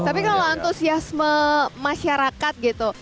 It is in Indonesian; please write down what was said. tapi kalau antusiasme masyarakat gitu